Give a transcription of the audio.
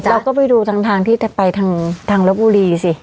เราก็ไปดูทางทางที่ไปทางทางระบุรีสิ